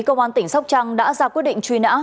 công an tỉnh sóc trăng đã ra quyết định truy nã